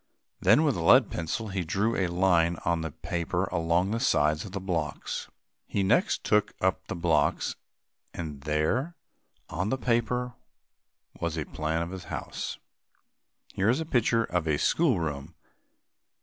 Then, with a lead pencil, he drew a line on the paper along the sides of the blocks. He next took up the blocks, and there, on the paper, was a plan of his house. [Illustration: "THE PICTURE SHOWS THE OBJECTS."] Here is a picture of a schoolroom.